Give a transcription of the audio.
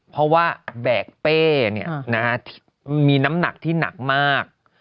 เพราะว่าแบกเป้มีน้ำหนักที่หนักมาก